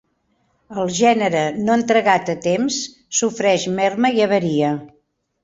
El gènere no entregat a temps, sofreix merma i averia.